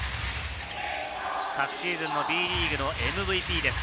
昨シーズンのＢリーグのＭＶＰです。